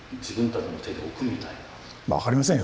分かりませんよ。